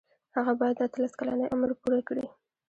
هغه باید د اتلس کلنۍ عمر پوره کړي.